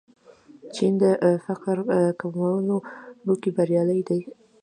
چین د فقر کمولو کې بریالی دی.